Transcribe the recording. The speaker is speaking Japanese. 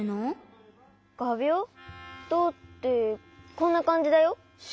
どうってこんなかんじだよ。